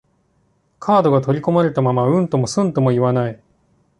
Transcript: カードが取り込まれたまま、うんともすんとも言わない